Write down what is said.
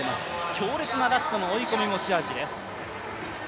強烈なラストの追い込みが持ち味です。